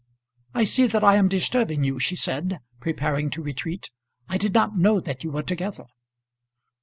"I see that I am disturbing you," she said, preparing to retreat. "I did not know that you were together."